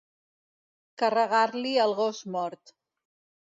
Carregar-li el gos mort.